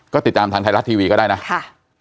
ก็ติดตามทางไทยรัฐทีวีก็ได้นะค่ะ